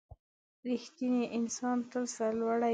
• رښتینی انسان تل سرلوړی وي.